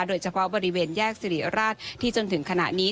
โดยเฉพาะบริเวณแยกสิริราชที่จนถึงขณะนี้